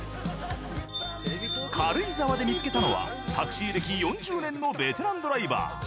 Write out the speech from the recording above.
軽井沢で見つけたのはタクシー歴４０年のベテランドライバー。